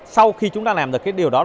sau khi chúng ta làm được điều đó